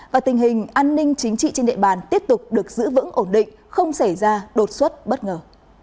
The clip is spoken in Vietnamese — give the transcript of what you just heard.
và tình hình an ninh chính trị trên địa bàn tiếp tục được giữ vững ổn định không xảy ra đột xuất bất ngờ